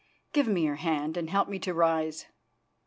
Give me your hand and help me to rise.